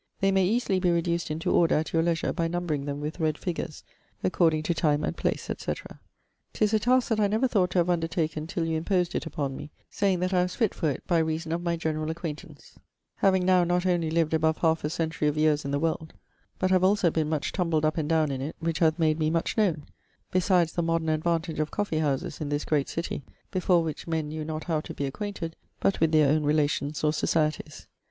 They may easily be reduced into order at your leisure by numbring them with red figures, according to time and place, &c. 'Tis a taske that I never thought to have undertaken till you imposed it upon me, sayeing that I was fitt for it by reason of my generall acquaintance, having now not only lived above halfe a centurie of yeares in the world, but have also been much tumbled up and downe in it which hath made me much knowne; besides the moderne advantage of coffee howses in this great citie, before which men knew not how to be acquainted, but with their owne relations, or societies.